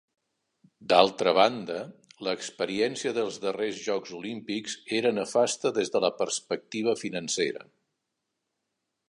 D'altra banda, l'experiència dels darrers jocs olímpics era nefasta des de la perspectiva financera.